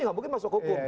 nggak mungkin masuk hukum